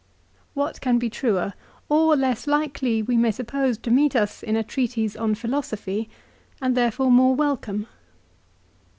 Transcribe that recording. " l What can be truer, or less likely, we may suppose, to meet us in a treatise on philosophy, and therefore more welcome